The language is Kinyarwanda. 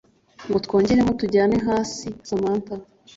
ngotwongeremo tutajya hasi samantha